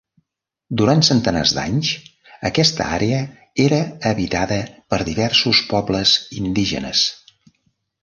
Durant centenars d'anys, aquesta àrea era habitada per diversos pobles indígenes.